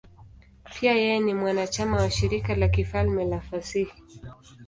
Pia yeye ni mwanachama wa Shirika la Kifalme la Fasihi.